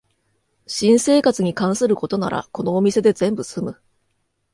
新生活に関することならこのお店で全部すむ